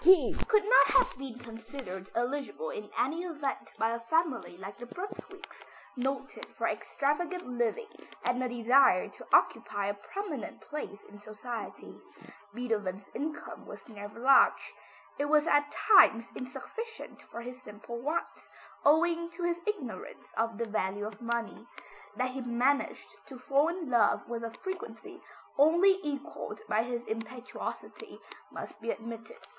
He could not have been considered eligible in any event by a family like the Brunswicks, noted for extravagant living and a desire to occupy a prominent place in society. Beethoven's income was never large. It was at times insufficient for his simple wants, owing to his ignorance of the value of money. That he managed to fall in love with a frequency only equalled by his impetuosity, must be admitted.